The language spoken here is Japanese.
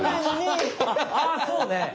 あそうね！